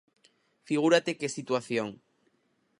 Figúrate que situación!